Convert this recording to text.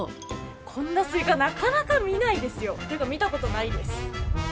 こんなスイカ、なかなか見ないですよ、見たことないです。